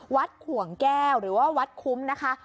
ขวงแก้วหรือว่าวัดคุ้มนะคะ